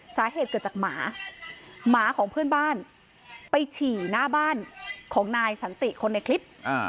สาเหตุเกิดจากหมาหมาของเพื่อนบ้านไปฉี่หน้าบ้านของนายสันติคนในคลิป